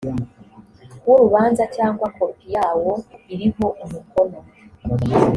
w urubanza cyangwa kopi yawo iriho umukono